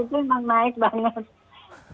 itu memang naik banget